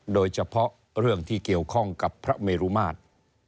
โดยเฉพาะเรื่องที่เกี่ยวข้องกับพระเมรุมาตร